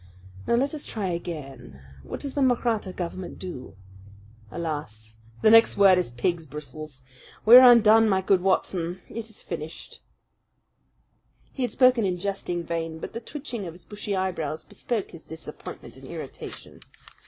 Now let us try again. What does the Mahratta government do? Alas! the next word is 'pig's bristles.' We are undone, my good Watson! It is finished!" He had spoken in jesting vein, but the twitching of his bushy eyebrows bespoke his disappointment and irritation.